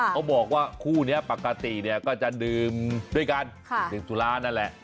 เขาบอกว่าคู่นี้ปกติเนี่ยก็จะดื่มด้วยกันดื่มสุรานั่นแหละ